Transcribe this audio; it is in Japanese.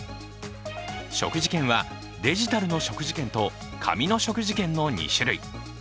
食事券は、デジタルの食事券と紙の食事券の２種類。